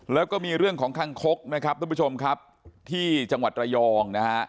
แล้วก็มีเรื่องของคังคกนะครับทุกผู้ชมครับที่จังหวัดระยองนะฮะ